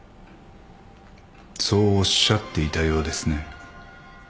そうおっしゃっていたようですね。